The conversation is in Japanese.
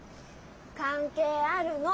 関係あるの。